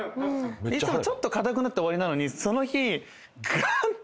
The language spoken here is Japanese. いつもちょっと硬くなって終わりなのにその日。